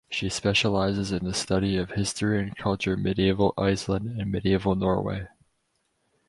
She specializes in the study of history and culture Medieval Iceland and Medieval Norway.